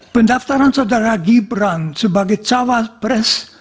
pendaftaran saudara gibran sebagai cawas pres